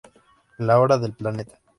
La Hora del Planeta